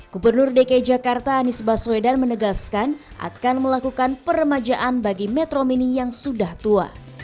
gubernur dki jakarta anies baswedan menegaskan akan melakukan peremajaan bagi metro mini yang sudah tua